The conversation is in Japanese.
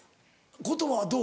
言葉はどう？